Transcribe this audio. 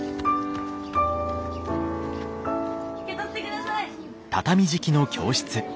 受け取ってください！